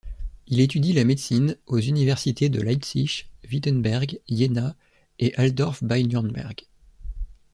Il étudie la médecine aux universités de Leipzig, Wittemberg, Iéna et Altdorf bei Nürnberg.